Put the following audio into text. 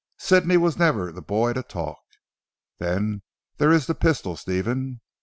Sidney was never the boy to talk. Then there is the pistol Stephen.